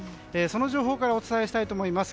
その情報からお伝えしたいと思います。